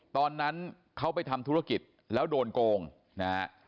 ตอนนั้นเขาไปทำธุรกิจแล้วโดนโกงนะฮะ